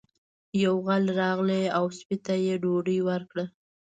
یو غل راغی او سپي ته یې ډوډۍ ورکړه.